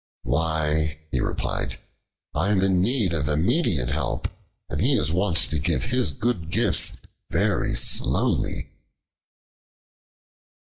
"Why," he replied, "I am in need of immediate help, and he is wont to give his good gifts very slowly."